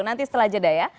nanti setelah jda ya